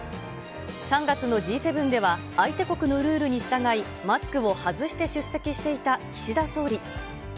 ３月のＧ７では、相手国のルールに従い、マスクを外して出席していた岸田総理。